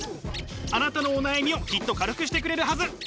あなたのお悩みをきっと軽くしてくれるはず。